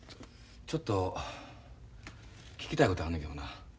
ちょっと聞きたいことあんねんけどな。